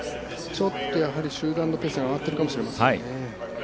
ちょっと集団のペースが上がっているかもしれませんね。